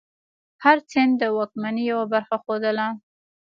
هر سند د واکمنۍ یوه برخه ښودله.